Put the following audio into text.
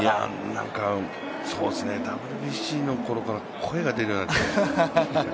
何か、ＷＢＣのころから声が出るようになって。